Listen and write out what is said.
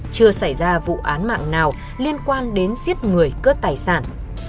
chưa xảy ra vụ án mạng nào liên quan đến giết người cướp tài sản